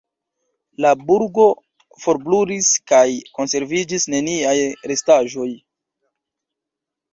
La burgo forbrulis kaj konserviĝis neniaj restaĵoj.